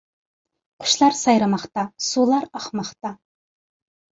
قۇشلار سايرىماقتا. سۇلار ئاقماقتا.